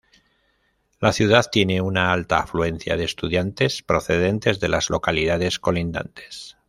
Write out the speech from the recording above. La ciudad tiene una alta afluencia de estudiantes procedentes de las localidades colindantes.